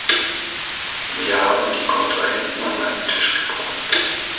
Wir haben die Kontrahenten an einen Tisch gebracht.